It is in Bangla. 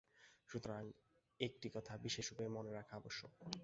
সুতরাং একটি কথা বিশেষরূপে মনে রাখা আবশ্যক।